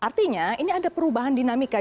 artinya ini ada perubahan dinamika